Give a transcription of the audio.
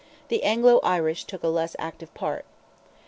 the Anglo Irish took a less active part.